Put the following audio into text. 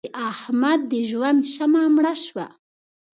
د احمد د ژوند شمع مړه شوه.